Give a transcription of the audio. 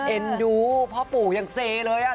เอ็นดูพ่อปู่ยังเซเลย